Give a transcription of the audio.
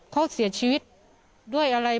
เขาเสียชีวิตด้วยอะไร